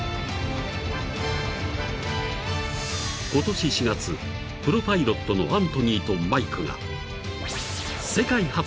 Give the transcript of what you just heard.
［今年４月プロパイロットのアントニーとマイクが］